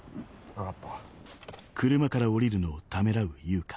分かった。